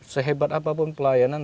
sehebat apapun pelayanan